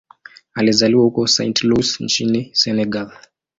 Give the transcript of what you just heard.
Alizaliwa huko Saint-Louis nchini Senegal.